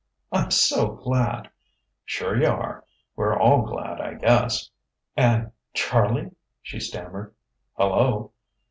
"I'm so glad!" "Sure you are. We're all glad, I guess." "And Charlie " she stammered. "Hello?"